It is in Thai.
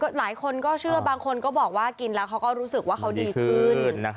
หลายคนก็เชื่อบางคนก็บอกว่ากินแล้วเขาก็รู้สึกว่าเขาดีขึ้น